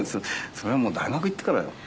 それはもう大学行ってからよ。